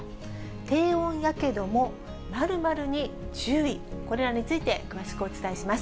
低温やけども○○に注意、これらについて詳しくお伝えします。